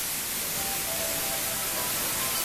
دولت باید خپل عایدات زیات کړي وای.